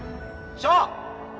翔！